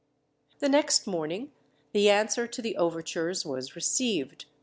The next morning the answer to the overtures was received.